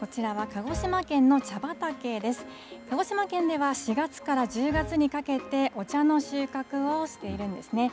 鹿児島県では４月から１０月にかけて、お茶の収穫をしているんですね。